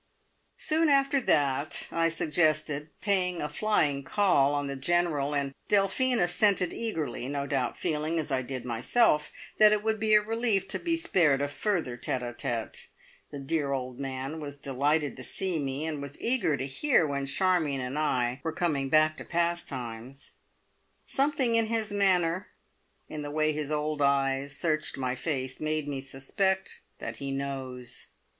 Soon after that I suggested paying a flying call on the General, and Delphine assented eagerly, no doubt feeling, as I did myself, that it would be a relief to be spared a further tete a tete. The dear old man was delighted to see me, and was eager to hear when Charmion and I were coming back to "Pastimes". Something in his manner, in the way his old eyes searched my face, made me suspect that he knows.